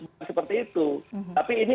bukan seperti itu tapi ini